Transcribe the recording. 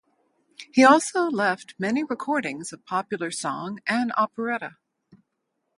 He also left many recordings of popular song and operetta.